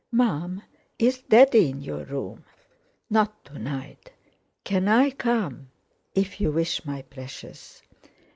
"Mum, is Daddy in your room?" "Not to night." "Can I come?" "If you wish, my precious."